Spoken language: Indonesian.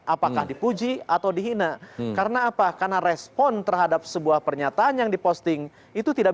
apakah dipuji atau dihina karena apa karena respon terhadap sebuah pernyataan yang diposting itu tidak